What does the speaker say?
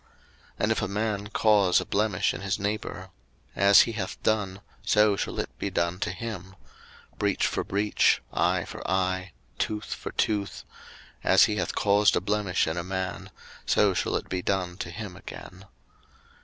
03:024:019 And if a man cause a blemish in his neighbour; as he hath done, so shall it be done to him; 03:024:020 Breach for breach, eye for eye, tooth for tooth: as he hath caused a blemish in a man, so shall it be done to him again.